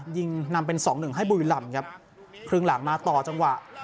ยิงนำเป็นสองหนึ่งให้บุรีรำครับครึ่งหลังมาต่อจังหวะ